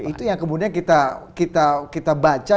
itu yang kemudian kita baca